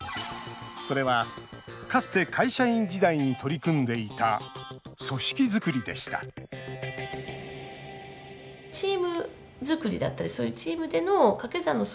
それは、かつて会社員時代に取り組んでいた組織作りでしたこんにちは。